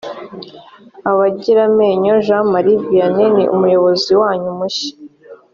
abagiramenyo jean marie vianney ni umuyobozi wanyu mushya